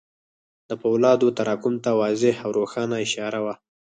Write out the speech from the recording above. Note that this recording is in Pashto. د پولادو تراکم ته واضح او روښانه اشاره وه.